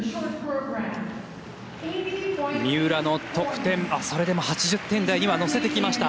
三浦の得点それでも８０点台には乗せてきました。